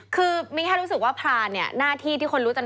คือมีแค่รู้สึกว่าพลานหน้าที่ที่คนรู้จัน